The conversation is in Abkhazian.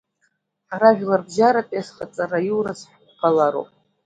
Ҳара жәларбжьаратәи азхаҵара аиуразы ҳақәԥалароуп.